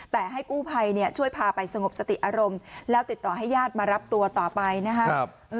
แต่ให้กู้ภัยเนี่ยช่วยพาไปสงบสติอารมณ์แล้วติดต่อให้ญาติมารับตัวต่อไปนะครับ